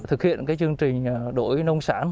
thực hiện chương trình đổi nông sản